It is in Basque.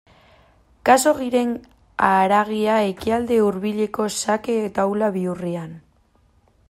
Khaxoggiren haragia Ekialde Hurbileko xake taula bihurrian.